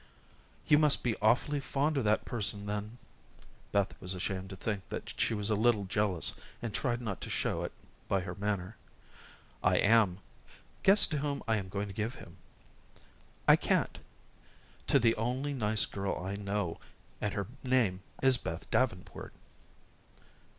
"You must be awfully fond of that person, then." Beth was ashamed to think that she was a little jealous and tried not to show it by her manner. "I am. Guess to whom I am going to give him." "I can't." "To the only nice girl I know, and her name is Beth Davenport."